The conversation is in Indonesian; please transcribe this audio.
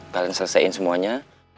kalian selesain semuanya